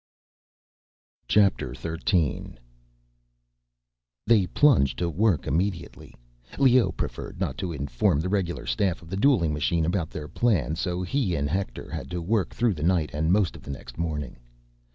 XIII They plunged to work immediately. Leoh preferred not to inform the regular staff of the dueling machine about their plan, so he and Hector had to work through the night and most of the next morning.